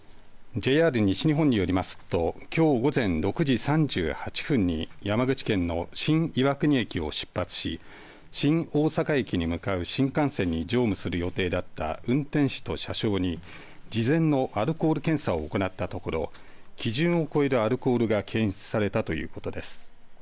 ＪＲ西日本によりますときょう午前６時３８分に山口県の新岩国駅を出発し新大阪駅に向かう新幹線に乗務する予定だった運転士と車掌に事前のアルコール検査を行ったところ基準を超えるアルコールが検出されたということです。